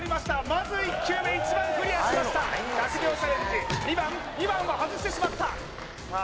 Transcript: まず１球目１番クリアしました１００秒チャレンジ２番２番は外してしまったさあ